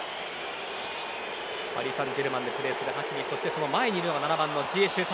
パリ・サンジェルマンでプレーするハキミその前にいるのが７番のジエシュ。